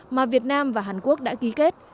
mà việt nam và hàn quốc đã ký kết